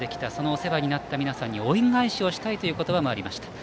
お世話になった皆さんに恩返しをしたいという言葉もありました。